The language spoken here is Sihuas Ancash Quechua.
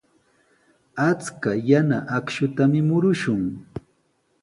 Achka yana akshutami murushun.